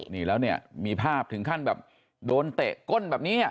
นี่แล้วเนี่ยมีภาพถึงขั้นแบบโดนเตะก้นแบบนี้